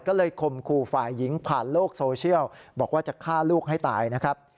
ก็เลยข่มขู่ฝ่ายหญิงผ่านโลกโซเชียลบอกว่าจะฆ่าลูกให้ตายนะครับ